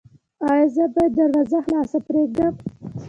ایا زه باید دروازه خلاصه پریږدم؟